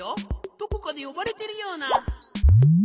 どこかでよばれてるような。